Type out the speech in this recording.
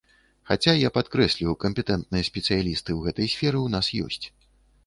Хаця, я падкрэслю, кампетэнтныя спецыялісты ў гэтай сферы ў нас ёсць.